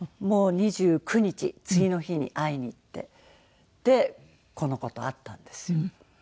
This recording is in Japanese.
もう２９日次の日に会いに行ってでこの子と会ったんですよ。